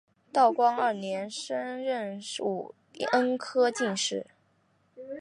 道光二年中壬午恩科进士。